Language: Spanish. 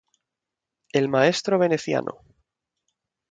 El Maestro Veneciano.